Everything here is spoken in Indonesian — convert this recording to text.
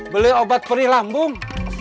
beli obat perih lambung